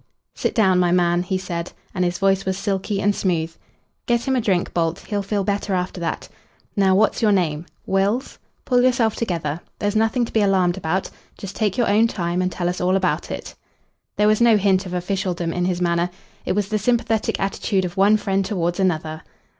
"Sit down, my man," he said, and his voice was silky and smooth. "Get him a drink, Bolt. He'll feel better after that. Now, what's your name? Wills? Pull yourself together. There's nothing to be alarmed about. Just take your own time and tell us all about it." There was no hint of officialdom in his manner. It was the sympathetic attitude of one friend towards another.